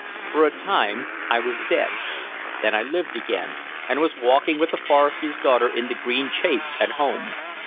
For a time I was dead; then I lived again, and was walking with the forester's daughter in the green chase at home.